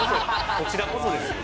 こちらこそですよ。